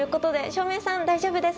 照明さん大丈夫です。